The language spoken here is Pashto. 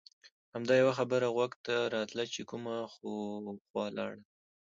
همدا یوه خبره غوږ ته راتله چې کومه خوا لاړل.